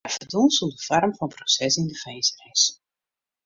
Hja ferdwûn sûnder foarm fan proses yn de finzenis.